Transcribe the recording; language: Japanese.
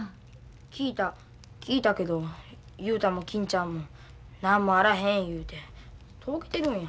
聞いたけど雄太も金ちゃんも何もあらへん言うてとぼけてるんや。